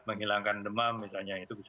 menghilangkan demam misalnya itu bisa